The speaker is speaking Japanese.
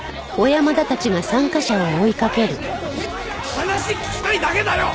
話聞きたいだけだよ！